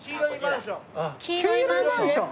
黄色いマンション？